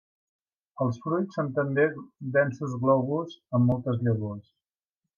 Els fruits són també densos globus amb moltes llavors.